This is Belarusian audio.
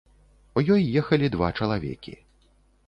У ёй ехалі два чалавекі.